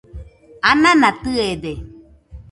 anana tɨede